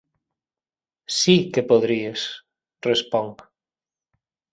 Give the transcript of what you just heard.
Sí, que podries —responc—.